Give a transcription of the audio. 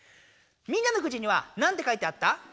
みんなのくじには何て書いてあった？